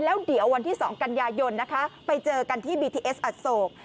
แล้วเดี๋ยววันที่๒กันยายนนะคะไปเจอกันที่บีทีเอสอโศก